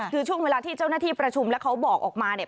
คือช่วงเวลาที่เจ้าหน้าที่ประชุมแล้วเขาบอกออกมาเนี่ย